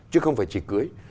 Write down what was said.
chứ không phải chỉ cưới